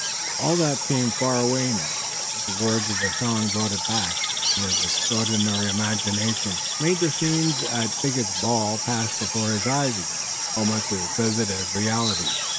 All that seemed far away now, yet the words of the song brought it back, and his extraordinary imagination made the scenes at Bigot's ball pass before his eyes again, almost as vivid as reality.